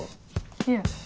いえ。